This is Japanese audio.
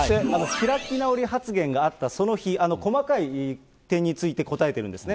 開き直り発言があったその日、細かい点について答えてるんですね。